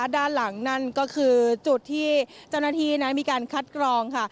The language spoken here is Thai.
ด้านหลังนั่นก็คือจุดที่เจ้าหน้าที่นั้นมีการคัดกรองค่ะ